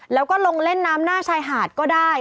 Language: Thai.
แล้วก็ลงเล่นน้ำหน้าชายหาดก็ได้